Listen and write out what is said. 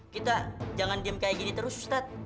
kita jangan diem kayak gini terus ustadz